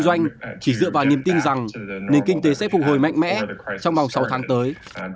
doanh chỉ dựa vào niềm tin rằng nền kinh tế sẽ phục hồi mạnh mẽ trong vòng sáu tháng tới